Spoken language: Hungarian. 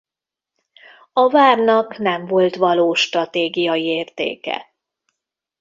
A várnak nem volt valós stratégiai értéke.